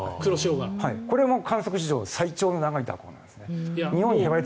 これも観測史上最高に長い蛇行なんですね。